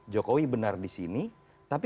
jokowi benar disini tapi